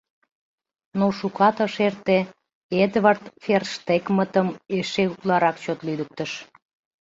Но шукат ыш эрте Эдвард Ферштегмытым эше утларак чот лӱдыктыш.